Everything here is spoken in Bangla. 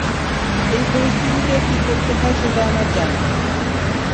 এই পরিস্থিতিতে কী করতে হয় সেটা আমার জানা।